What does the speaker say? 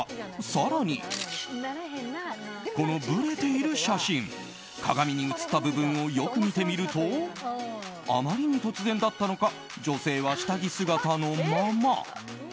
更に、このぶれている写真鏡に映った部分をよく見てみるとあまりに突然だったのか女性は下着姿のまま。